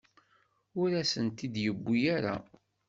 Ur asen-t-id-yewwi ara.